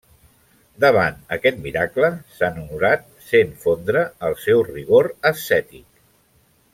Davant aquest miracle, sant Honorat sent fondre el seu rigor ascètic.